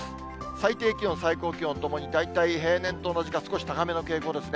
最低気温、最高気温ともに、大体平年と同じか、少し高めの傾向ですね。